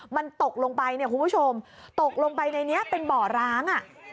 มันตกลงไปคุณผู้ชมตกลงไปในนี้เป็นเบาะร้าง